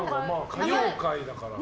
歌謡界だからね。